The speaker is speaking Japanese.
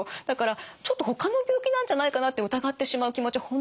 だからちょっとほかの病気なんじゃないかなって疑ってしまう気持ち